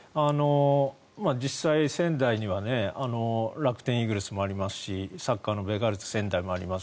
実際、仙台には楽天イーグルスもありますしサッカーのベガルタ仙台もあります。